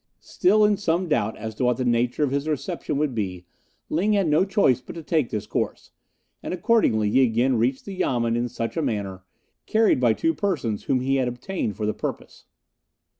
Still in some doubt as to what the nature of his reception would be, Ling had no choice but to take this course, and accordingly he again reached the Yamen in such a manner, carried by two persons whom he had obtained for the purpose.